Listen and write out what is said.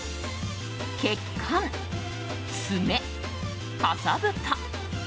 血管、爪、かさぶた。